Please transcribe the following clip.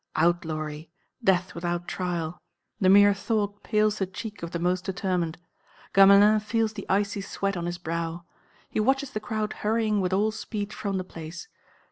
Outlawry, death without trial! The mere thought pales the cheek of the most determined. Gamelin feels the icy sweat on his brow. He watches the crowd hurrying with all speed from the Place.